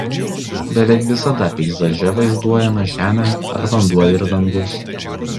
Beveik visada peizaže vaizduojama žemė ar vanduo ir dangus.